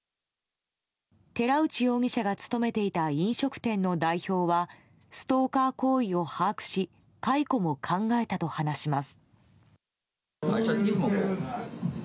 寺内容疑者が勤めていた飲食店の代表はストーカー行為を把握し解雇も考えたと話します。